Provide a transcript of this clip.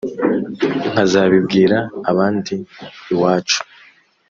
nkazabibwira abandi iwacu